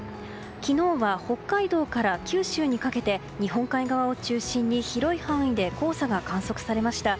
昨日は北海道から九州にかけて日本海側を中心に広い範囲で黄砂が観測されました。